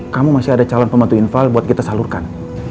kamu masih ada calon pembantu infal buat kita salurkan